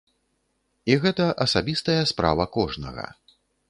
І гэта асабістая справа кожнага.